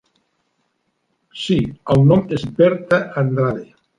Sí, el nom és Berta Andrade.